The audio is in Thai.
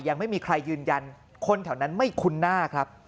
ยังไม่มีใครยืนยันคนแถวนั้นไม่คุ้นหน้าครับ